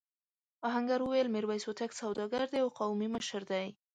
آهنګر وویل میرويس هوتک سوداګر دی او قومي مشر دی.